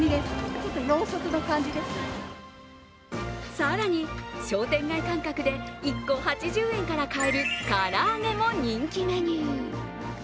更に商店街感覚で１個８０円から買える唐揚げも人気メニュー。